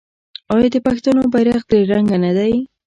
آیا د پښتنو بیرغ درې رنګه نه دی؟